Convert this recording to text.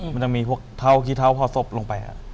มันจะมีพวกเท้าขี้เท้าพอศพลงไป